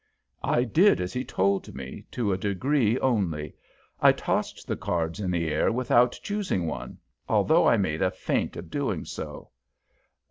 I did as he told me, to a degree only. I tossed the cards in the air without choosing one, although I made a feint of doing so.